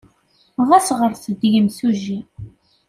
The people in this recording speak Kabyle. Ɣas ɣret-d i yemsujji.